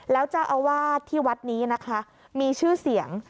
แล้วเจ้าอาวาสที่วัดนี้นะคะมีชื่อเสียง